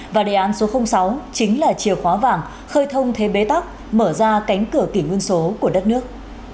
và đề án số sáu chính là chìa khóa vàng khơi thông thế bế tắc mở ra cánh cửa kỷ nguyên số của đất nước